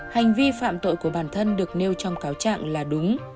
hành vi phạm tội của bản thân được nêu trong cáo trạng là đúng